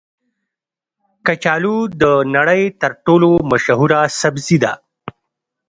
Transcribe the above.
کچالو د نړۍ تر ټولو مشهوره سبزي ده